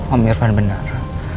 om irfan benar